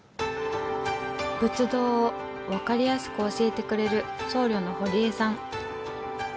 仏道を分かりやすく教えてくれる僧侶の堀江さん。